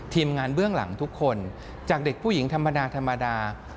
ทีมงานเบื้องหลังทุกคนจากเด็กผู้หญิงธรรมดาธรรมดา